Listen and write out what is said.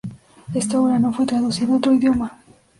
Esta obra no fue traducida a otro idioma.